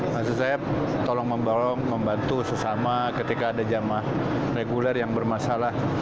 maksud saya tolong membangun membantu sesama ketika ada jamah reguler yang bermasalah